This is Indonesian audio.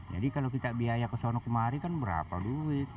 jadi kalau kita biaya kesana kemari kan berapa duit